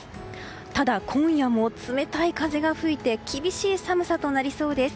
ただ、今夜も冷たい風が吹いて厳しい寒さとなりそうです。